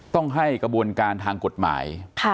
ต้องให้กระบวนการทางกฎหมาย